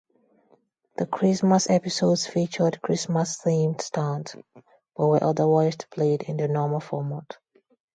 The Christmas episodes featured Christmas-themed stunts but were otherwise played in the normal format.